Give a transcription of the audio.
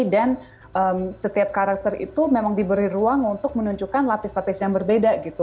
dan setiap karakter itu memang diberi ruang untuk menunjukkan lapis lapis yang berbeda gitu